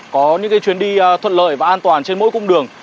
có những chuyến đi thuận lợi và an toàn trên mỗi cung đường